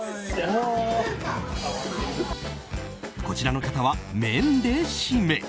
こちらの方は麺でシメ。